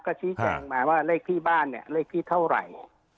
ก็ชี้งมาว่าเลขบ้านเลขเท่าไหร่